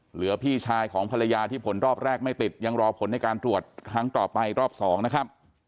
เหลือพี่ชายของภรรยาที่ผลรอบแรกไม่ติดยังรอผลในการตรวจครั้งต่อไปรอบ๒นะครับ